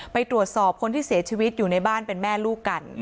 ไปตรวจสอบคนที่เสียชีวิตอยู่ในบ้านเป็นแม่ลูกกัน